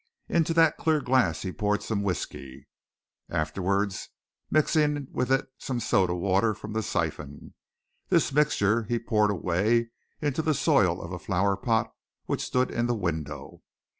Into that clear glass he poured some whisky, afterwards mixing with it some soda water from the syphon this mixture he poured away into the soil of a flower pot which stood in the window.